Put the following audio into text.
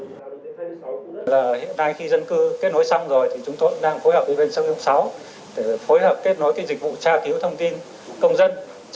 hiện nay khi dân cư kết nối xong rồi thì chúng tôi đang phối hợp với bên sông yêu sáu